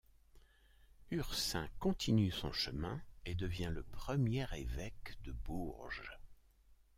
Ursin continue son chemin, et devient le premier évêque de Bourges.